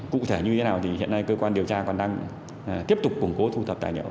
cụ thể như thế nào thì hiện nay cơ quan điều tra còn đang tiếp tục củng cố thu thập tài liệu